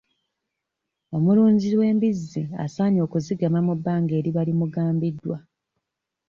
Omulunzi w'embizzi asaanye okuzigema mu bbanga eriba limugambiddwa.